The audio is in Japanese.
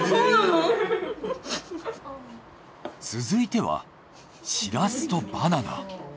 続いてはしらすとバナナ